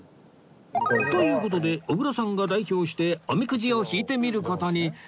という事で小倉さんが代表しておみくじを引いてみる事に